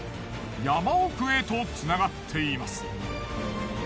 山奥へとつながっています。